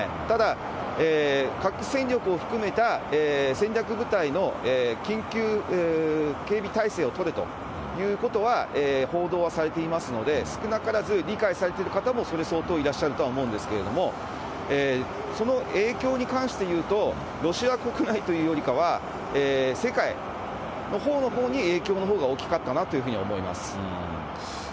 ただ、核戦力を含めた戦略部隊の緊急警備態勢を取れということは、報道はされていますので、少なからず理解されている方も、それ相当いらっしゃるとは思うんですけれども、その影響に関して言うと、ロシア国内というよりかは、世界のほうのほうに、影響のほうが大きかったなというふうに思います。